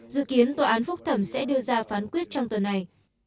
dự kiến tòa án phúc thẩm sẽ đưa ra phán quyết trong tuần này